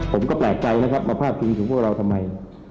ผมก็แปลกใจนะครับมาพาดพิงถึงพวกเราทำไม